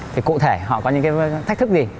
thì cụ thể họ có những cái thách thức gì